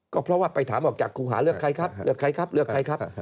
ก็เพราะว่าไปถามออกจากครูหาเลือกใครครับเลือกใครครับเลือกใครครับ